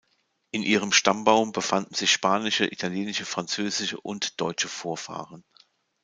In ihrem Stammbaum befanden sich spanische, italienische, französische und deutsche Vorfahren.